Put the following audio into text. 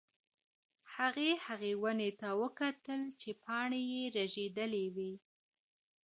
هغې هغې ونې ته وکتل چې پاڼې یې رژېدلې وې.